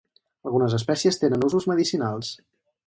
Algunes espècies tenen usos medicinals.